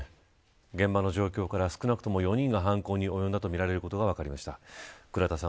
現場の状況から少なくとも４人が犯行に及んだとみられることが分かりました。